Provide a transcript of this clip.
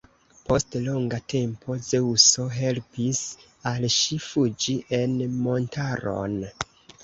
Post longa tempo Zeŭso helpis al ŝi fuĝi en montaron.